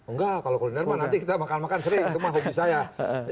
nggak kalau kuliner nanti kita makan makan sering itu mah hobi saya